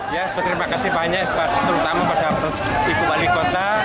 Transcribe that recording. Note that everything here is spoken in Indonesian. ya berterima kasih banyak terutama pada ibu wali kota